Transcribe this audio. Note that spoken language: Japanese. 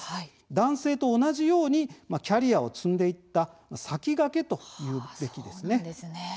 男性と同じようにキャリアを積んでいった先駆けというべきですね。